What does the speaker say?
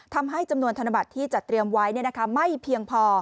ทำให้จำนวนธนบัตรที่จัดเตรียมไว้ไม่เพียงพอ